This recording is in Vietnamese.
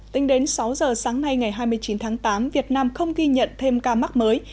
tính đến sáu giờ sáng nay ngày hai mươi chín tháng tám việt nam không ghi nhận thêm ca mắc mới